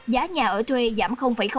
giá nhà ở thuê giảm ba